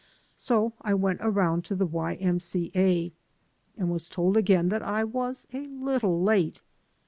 So I went aroimd to the Y. M. C. A. and was told again that I was a little late.